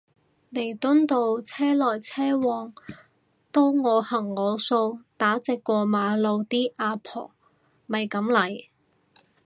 彌敦道車來車往都我行我素打直過馬路啲阿婆咪噉嚟